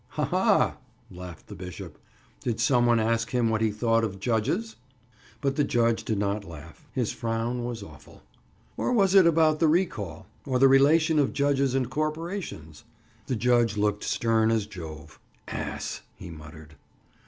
"Ha! ha!" laughed the bishop. "Did some one ask him what he thought of judges?" But the judge did not laugh. His frown was awful. "Or was it about the 'recall'? Or the relation of judges and corporations?" The judge looked stern as Jove. "Ass!" he muttered.